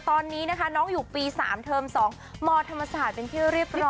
ตอนนี้นะคะน้องอยู่ปี๓เทอม๒มธรรมศาสตร์เป็นที่เรียบร้อย